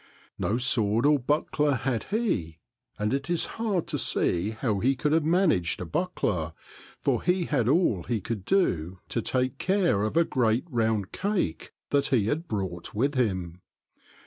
No sword or buckler had he, and it is hard to see how he could have managed a buckler, for he had all he could do to take care of a great round cake that he had brought with him.